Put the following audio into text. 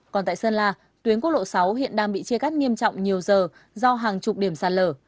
còn tại sơn la tuyến quốc lộ sáu hiện đang bị chia cắt nghiêm trọng nhiều giờ do hàng chục điểm sạt lở